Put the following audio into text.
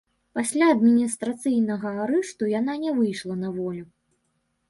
Пасля адміністрацыйнага арышту яна не выйшла на волю.